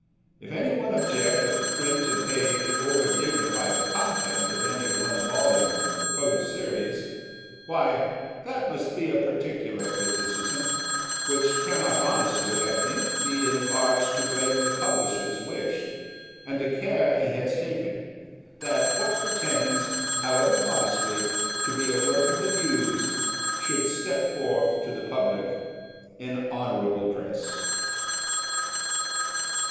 If anyone object that the print and page over dignify the content of any one volume in the proposed series, why, that must be a particular criticism, which cannot honestly (I think) be enlarged to blame the publisher's wish, and the care he has taken, that what pretends, however modestly, to be a work of the Muse, should step forth to the public in honourable dress.